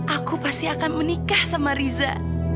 aku pasti akan menikah sama riza